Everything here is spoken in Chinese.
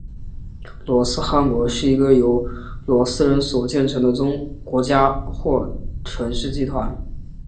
罗斯汗国是一个由罗斯人所建立的国家或城市集团。